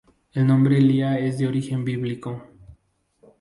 El nombre Leah es de origen bíblico.